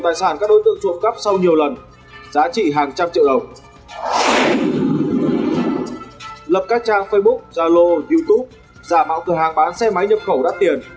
lập các trang facebook zalo youtube giả mạo cửa hàng bán xe máy nhập khẩu đắt tiền